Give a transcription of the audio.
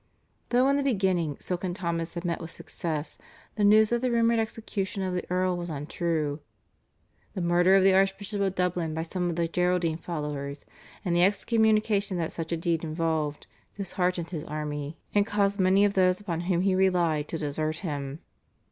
Though in the beginning Silken Thomas had met with success, the news that the rumoured execution of the Earl was untrue, the murder of the Archbishop of Dublin by some of the Geraldine followers, and the excommunication that such a deed involved, disheartened his army and caused many of those upon whom he relied to desert him.